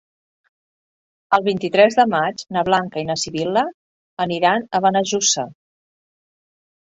El vint-i-tres de maig na Blanca i na Sibil·la aniran a Benejússer.